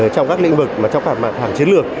trong các lĩnh vực trong các hàng chiến lược